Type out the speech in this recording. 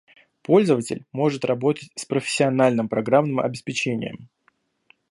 Пользователь может работать с профессиональным программным обеспечением